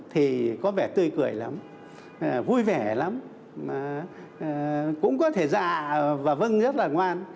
thì có vẻ tươi cười lắm vui vẻ lắm cũng có thể già và vân rất là ngoan